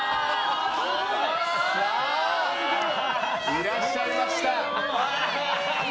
いらっしゃいました！